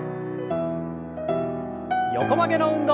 横曲げの運動。